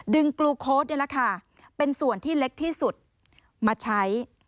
กลูโค้ดนี่แหละค่ะเป็นส่วนที่เล็กที่สุดมาใช้